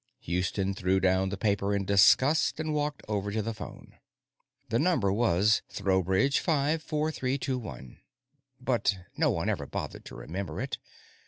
Houston threw down the paper in disgust and walked over to the phone. The number was TROwbridge 5 4321, but no one ever bothered to remember it.